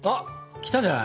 きたんじゃない？